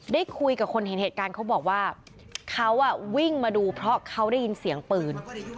ได้คุยกับคนเห็นเหตุการณ์เขาบอกว่าเขาวิ่งมาดูเพราะเขาได้ยินเสียงปืน